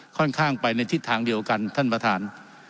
ค่อนข้างไปในทิศทางเดียวกันท่านประธาน